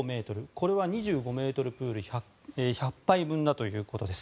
これは２５ｍプール１００杯分ということです。